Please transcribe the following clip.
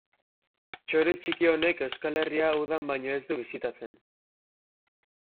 Txori txiki honek Euskal Herria udan baino ez du bisitatzen.